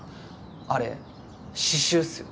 あれ死臭っすよ。